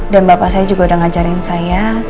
bapak saya juga udah ngajarin saya